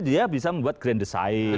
dia bisa membuat grand design